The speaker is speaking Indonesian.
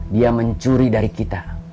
dia mencuri dari kita